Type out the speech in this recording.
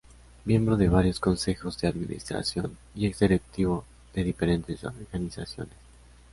Miembro de varios Consejos de Administración y ex directivo de diferentes Organizaciones.